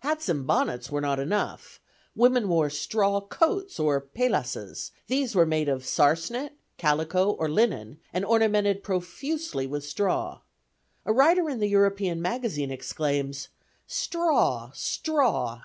Hats and bonnets were not enough; women wore "straw coats" or paillasses; these were made of "sarcenet, calico, or linen, and ornamented profusely with straw." A writer in the European Magazine exclaims: "Straw! straw!